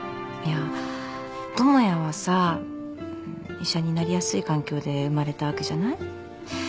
いや智也はさ医者になりやすい環境で生まれたわけじゃない？